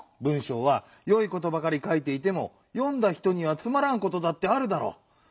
文しょうはよいことばかりかいていてもよんだ人にはつまらんことだってあるだろう。